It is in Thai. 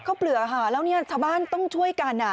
ข้าวเปลือกแล้วชาวบ้านต้องช่วยกัน